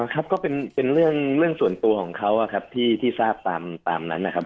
ครับก็เป็นเรื่องส่วนตัวของเขาครับที่ทราบตามนั้นนะครับ